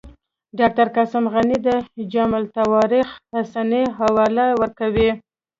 ډاکټر قاسم غني د جامع التواریخ حسني حواله ورکوي.